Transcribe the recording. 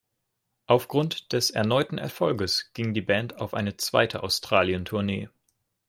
Aufgrund des erneuten Erfolges ging die Band auf eine zweite Australien-Tournee.